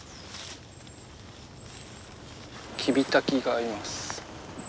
キビタキがいます。